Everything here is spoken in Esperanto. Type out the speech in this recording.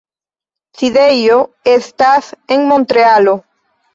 Sidejo estas en Montrealo.